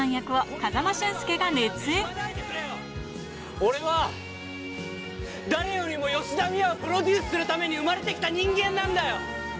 俺は、誰よりも吉田美和をプロデュースするために生まれてきた人間なんだよ！